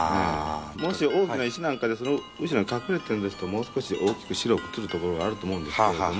もし大きな石なんかで後ろに隠れてるんですと、もう少し大きく白く写る所があると思うんですけれども。